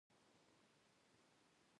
د لوېدیځې غاړې پلازمېنه رام الله ده.